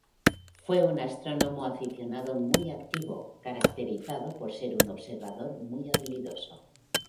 Fue un astrónomo aficionado muy activo, caracterizado por ser un observador muy habilidoso.